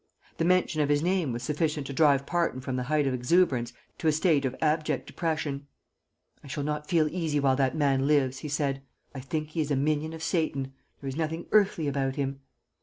The mention of his name was sufficient to drive Parton from the height of exuberance to a state of abject depression. "I shall not feel easy while that man lives," he said. "I think he is a minion of Satan. There is nothing earthly about him."